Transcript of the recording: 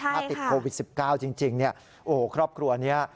ถ้าติดโควิด๑๙จริงครอบครัวนี้